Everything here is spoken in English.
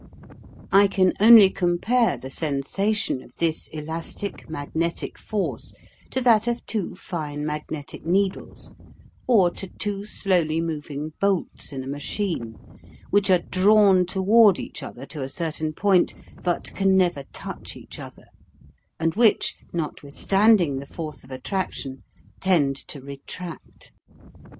I can only compare the sensation of this elastic magnetic force to that of two fine mag netic needles or to two slowly moving bolts in a machine which are drawn toward each other to a certain point but can never touch each other, and which notwithstanding the PRONUNCIATION. CONSONANTS 291 V /as force of attraction tend to retract.